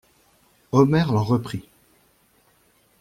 Omer l'en reprit.